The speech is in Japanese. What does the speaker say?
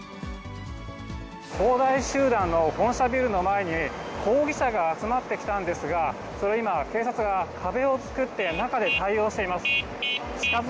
恒大集団の本社ビルの前に、抗議者が集まってきたんですが、それ、今、警察が壁を作って、中で対応しています。